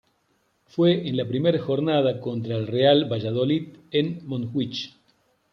Fue en la primera jornada contra el Real Valladolid en Montjuïc.